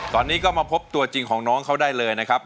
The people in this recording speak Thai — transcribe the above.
ตอนนี้ก็มาพบตัวจริงของน้องเขาได้เลยนะครับ